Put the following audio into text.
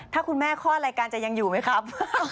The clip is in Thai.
ถ้าคุณแม่คลอดรายการจะยังอยู่ไหมครับ